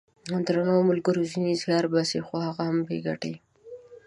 درنو ملګرو ! ځینې زیار باسي خو هغه هم بې ګټې!